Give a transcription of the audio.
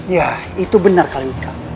ya itu benar kali